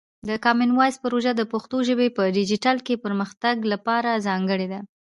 د کامن وایس پروژه د پښتو ژبې په ډیجیټل کې پرمختګ لپاره ځانګړې ده.